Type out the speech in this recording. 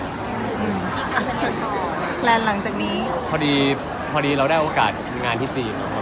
เค้าต้องไปเรียนต่อที่จีนโอ้โฮครับ